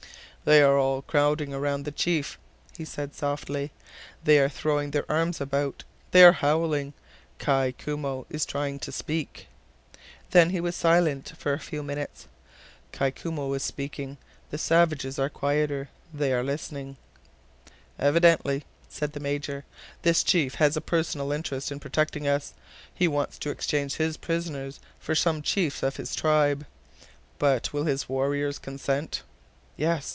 "They are all crowding round the chief," said he softly. "They are throwing their arms about. ... They are howling. .... Kai Koumou is trying to speak." Then he was silent for a few minutes. "Kai Koumou is speaking. ... The savages are quieter. .... They are listening. ...." "Evidently," said the Major, "this chief has a personal interest in protecting us. He wants to exchange his prisoners for some chiefs of his tribe! But will his warriors consent?" "Yes!